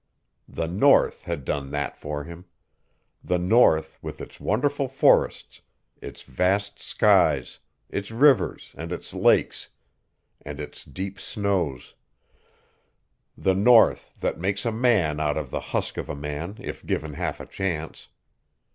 The NORTH had done that for him; the north with its wonderful forests, its vast skies, its rivers, and its lakes, and its deep snows the north that makes a man out of the husk of a man if given half a chance.